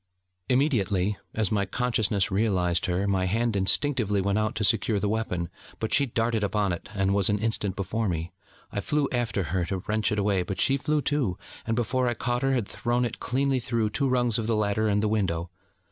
Immediately, as my consciousness realised her, my hand instinctively went out to secure the weapon: but she darted upon it, and was an instant before me. I flew after her to wrench it away, but she flew, too: and before I caught her, had thrown it cleanly through two rungs of the ladder and the window.